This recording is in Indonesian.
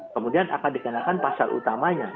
kemudian akan dikenakan pasal utamanya